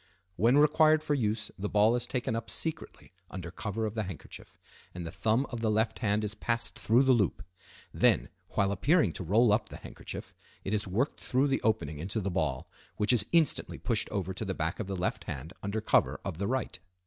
When required for use the ball is taken up secretly under cover of the handkerchief, and the thumb of the left hand is passed through the loop. Then, while appearing to roll up the handkerchief, it is worked through the opening into the ball, which is instantly pushed over to the back of the left hand under cover of the right.